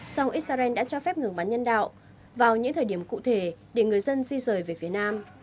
song israel đã cho phép ngừng bắn nhân đạo vào những thời điểm cụ thể để người dân di rời về phía nam